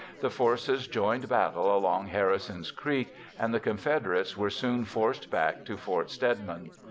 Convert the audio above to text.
The forces joined battle along Harrison's Creek and the Confederates were soon forced back to Fort Stedman.